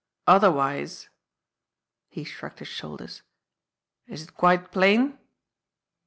Otherwise " He shrugged his shoulders. "Is it quite plain?"